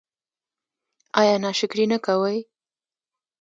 ایا ناشکري نه کوئ؟